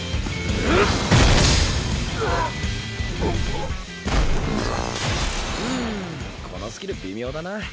グッウウッうんこのスキル微妙だな。